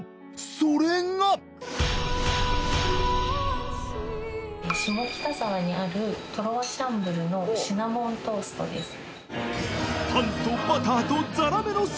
それが下北沢にあるトロワ・シャンブルのシナモントーストです